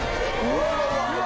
うわ！